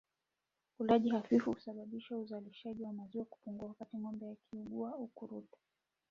Ulaji hafifu husababisha uzalishaji wa maziwa kupungua wakati ngombe akiugua ukurutu